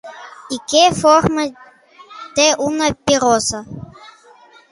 I quina forma té una pirrossa?